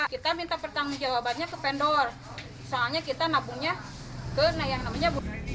kita minta pertanggung jawabannya ke vendor soalnya kita nabungnya ke yang namanya